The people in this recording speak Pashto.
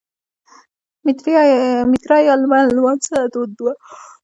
میترا یا لمر لمانځنه دود وه